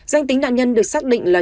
danh tính nạn nhân được xác định là